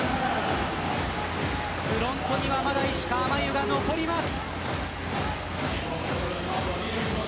フロントにはまだ、石川真佑が残ります。